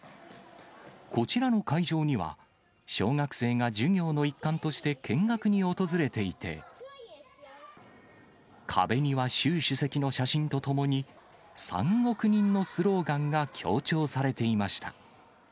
こちらの会場には、小学生が授業の一環として見学に訪れていて、壁には習主席の写真とともに、３億人のスローガンが強調されていました。